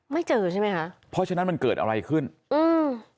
ไม่เจอใช่ไหมคะเพราะฉะนั้นมันเกิดอะไรขึ้นอืม